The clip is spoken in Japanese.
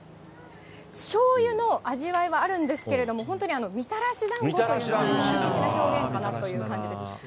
しょうゆの味わいはあるんですけれども、本当にみたらしだんごというのが適切な表現かなという感じです。